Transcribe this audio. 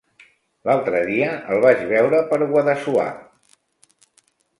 L'altre dia el vaig veure per Guadassuar.